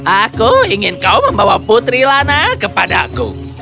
aku ingin kau membawa putri lana kepadaku